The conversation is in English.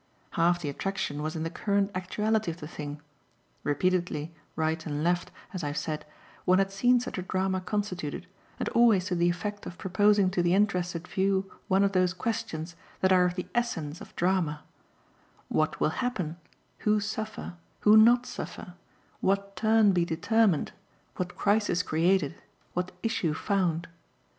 Half the attraction was in the current actuality of the thing: repeatedly, right and left, as I have said, one had seen such a drama constituted, and always to the effect of proposing to the interested view one of those questions that are of the essence of drama: what will happen, who suffer, who not suffer, what turn be determined, what crisis created, what issue found?